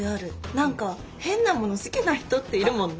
何か変なもの好きな人っているもんね。